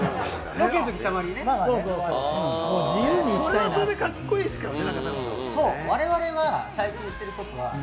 それはそれでカッコいいですからね。